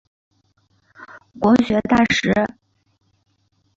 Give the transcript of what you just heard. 国学大师。